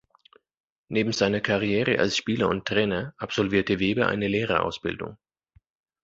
Neben seiner Karriere als Spieler und Trainer, absolvierte Weber eine Lehrerausbildung.